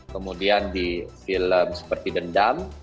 kemudian di film seperti dendam